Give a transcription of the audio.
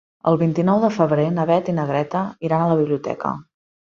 El vint-i-nou de febrer na Beth i na Greta iran a la biblioteca.